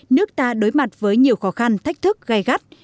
nước ta đối mặt với nhiều khó khăn thách thức gai gắt